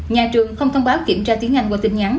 nhà trường không thông báo kiểm tra tiếng anh qua tin nhắn